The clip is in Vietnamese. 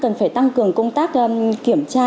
cần phải tăng cường công tác kiểm tra